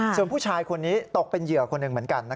ส่วนผู้ชายคนนี้ตกเป็นเหยื่อคนหนึ่งเหมือนกัน